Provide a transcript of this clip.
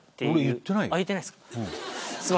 言ってないっすか？